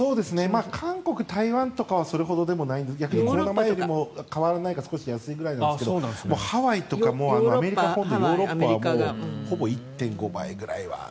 韓国、台湾とかはそれほどでもないんですが逆にコロナ前より変わらないか少し安いぐらいですがハワイとかアメリカ本土ヨーロッパはもうほぼ１．５倍くらいは。